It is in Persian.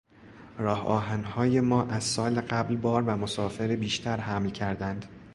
راهآهنهای ما از سال قبل بار و مسافر بیشتر حمل کردند.